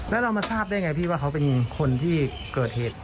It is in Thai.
แล้วเรามาทราบได้ไงพี่ว่าเขาเป็นคนที่เกิดเหตุ